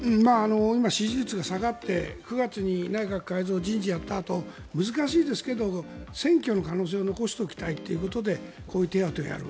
今、支持率が下がって９月に内閣改造人事をやったあと難しいですけど選挙の可能性を残しておきたいということでこういう手当てをやる。